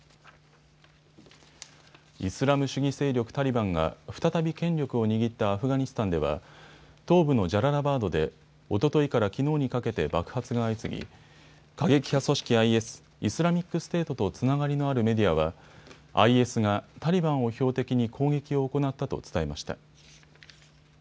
イスラム主義勢力タリバンが再び権力を握ったアフガニスタンでは東部のジャララバードでおとといからきのうにかけて爆発が相次ぎ、過激派組織ＩＳ・イスラミックステートとつながりのあるメディアはＩＳがタリバンを標的に攻撃を行ったと伝えました。